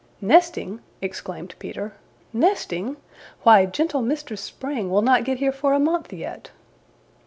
"Nesting!" exclaimed Peter. "Nesting! Why, gentle Mistress Spring will not get here for a month yet!"